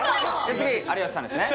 次有吉さんですね